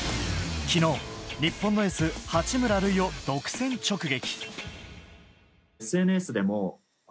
昨日、日本のエース・八村塁を独占直撃。